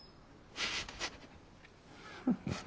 フフフ。